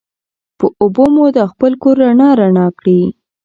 په اوبو مو دا خپل کور رڼا رڼا کړي